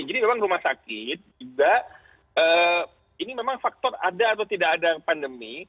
jadi memang rumah sakit juga ini memang faktor ada atau tidak ada pandemi